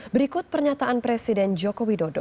berikut pernyataan presiden joko widodo